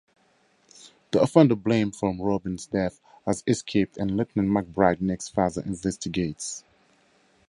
The offender blamed for Robin's death has escaped and Lieutenant McBride, Nick's father, investigates.